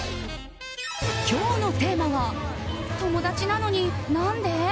今日のテーマは友達なのになんで？